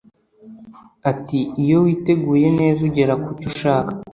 Ati “Iyo witeguye neza ugera ku cyo ushaka